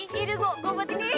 ini ini gue gue buat ini